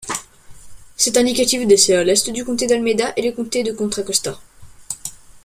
Cet indicatif dessert l'est du comté d'Alameda et le comté de Contra Costa.